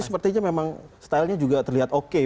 sepertinya memang stylenya juga terlihat oke